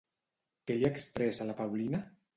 Què li expressa la Paulina?